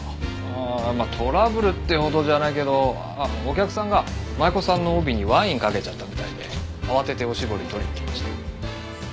ああトラブルってほどじゃないけどお客さんが舞子さんの帯にワインかけちゃったみたいで慌てておしぼり取りに来ました。